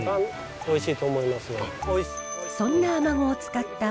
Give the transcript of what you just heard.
おいしい！